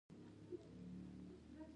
• ونه د طبیعت د ښکلا سبب ګرځي.